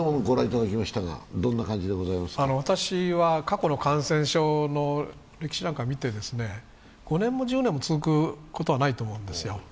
私は過去の感染症の歴史なんかを見て５年も１０年も続くことはないと思うんですよ。